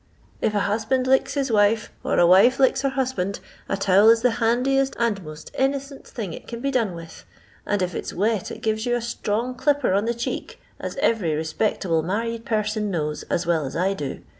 If a hus band licks his wife, or a wife licks her husband, a towel is the handiest and most innocent thing it can bo done with, and if it's wet it gives you a strong clipper on the cheek, as every respectable married person knows as well as I do.